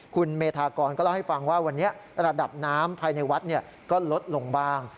คุณเมธากรก็เล่าให้ฟังว่าวันนี้ระดับน้ำภายในวัดก็ลดลงบ้าง